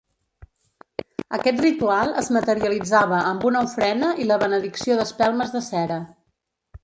Aquest ritual es materialitzava amb una ofrena i la benedicció d’espelmes de cera.